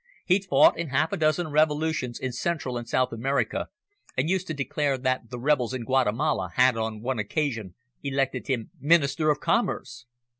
He'd fought in half a dozen revolutions in Central and South America and used to declare that the rebels in Guatemala, had, on one occasion, elected him Minister of Commerce!"